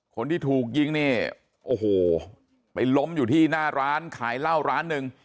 คนที่ถูกยิงเนี่ยโอ้โหไปล้มอยู่ที่หน้าร้านขายเหล้าร้านหนึ่ง